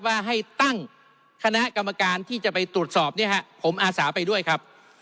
ว่าให้ตั้งคณะกรรมการที่จะไปตรวจสอบเนี่ยฮะผมอาสาไปด้วยครับ